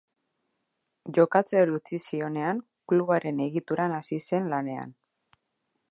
Jokatzeari utzi zionean, klubaren egituran hasi zen lanean.